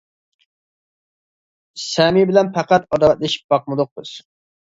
سەمى بىلەن پەقەت ئاداۋەتلىشىپ باقمىدۇق بىز.